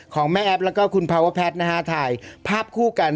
ของแม่แอฟแล้วก็คุณภาวะแพทย์นะฮะถ่ายภาพคู่กัน